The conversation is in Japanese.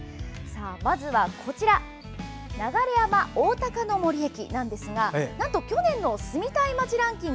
まずはこちら流山おおたかの森駅ですが去年の住みたい街ランキング